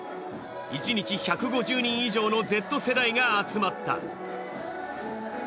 １日１５０人以上のＺ世代が集まった。